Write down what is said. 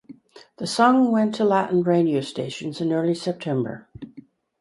The song went to Latin radio stations in early September.